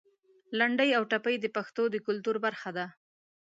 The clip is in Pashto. لنډۍ او ټپې د پښتنو د کلتور برخه ده.